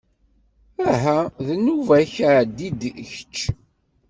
Aha d nnuba-k ɛeddi-d kečč.